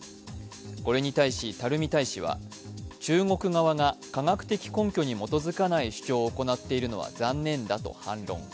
これに対し、垂大使は中国側が科学的根拠に基づかない主張を行っているのは残念だと反論。